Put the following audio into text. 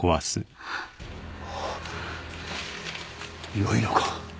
よいのか？